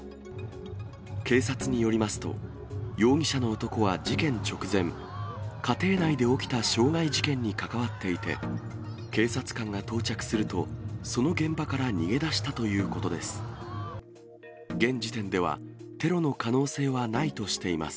警察によりますと、容疑者の男は事件直前、家庭内で起きた傷害事件に関わっていて、警察官が到着すると、その現場から逃げ出したということです。